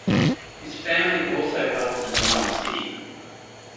His family also helped design the city.